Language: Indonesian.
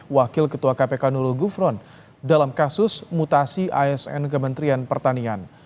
wakil ketua kpk nurul gufron dalam kasus mutasi asn kementerian pertanian